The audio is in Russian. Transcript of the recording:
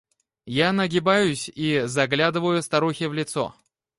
Я нагибаюсь и заглядываю старухе в лицо.